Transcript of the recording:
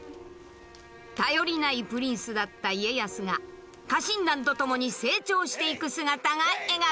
頼りないプリンスだった家康が家臣団と共に成長していく姿が描かれている。